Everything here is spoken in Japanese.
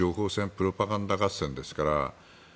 プロパガンダ合戦ですから。